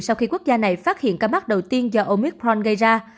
sau khi quốc gia này phát hiện ca mắc đầu tiên do omicron gây ra